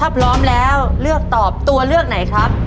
ถ้าพร้อมแล้วเลือกตอบตัวเลือกไหนครับ